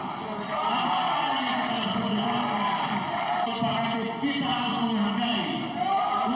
satu orang yang terhadap umum datar